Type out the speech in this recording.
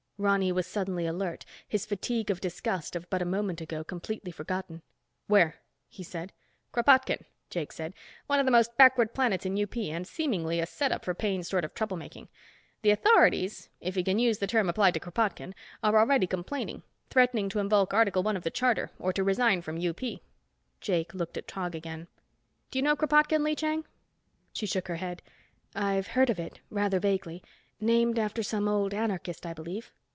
Ronny was suddenly alert, his fatigue of disgust of but a moment ago, completely forgotten. "Where?" he said. "Kropotkin," Jakes said. "One of the most backward planets in UP and seemingly a setup for Paine's sort of trouble making. The authorities, if you can use the term applied to Kropotkin, are already complaining, threatening to invoke Article One of the Charter, or to resign from UP." Jake looked at Tog again. "Do you know Kropotkin, Lee Chang?" She shook her head. "I've heard of it, rather vaguely. Named after some old anarchist, I believe."